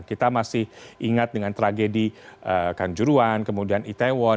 kita masih ingat dengan tragedi kanjuruan kemudian itaewon